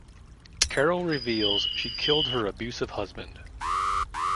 Carol reveals she killed her abusive husband.